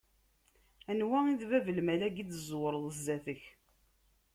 Anwa i d bab n lmal-agi i d-tezzewreḍ zdat-k?